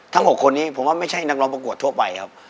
๖คนนี้ผมว่าไม่ใช่นักร้องประกวดทั่วไปครับ